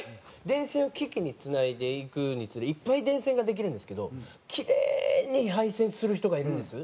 電線を機器につないでいくにつれいっぱい電線ができるんですけどキレイに配線する人がいるんです。